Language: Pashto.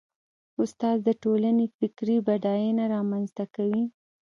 استاد د ټولنې فکري بډاینه رامنځته کوي.